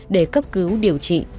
để sơ cứu điều trị